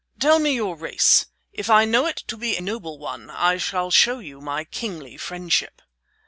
Tell me your race. If I know it to be a noble one I shall show you my kingly friendship."